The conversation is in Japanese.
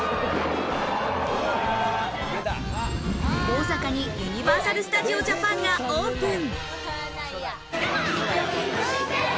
大阪にユニバーサル・スタジオ・ジャパンがオープン。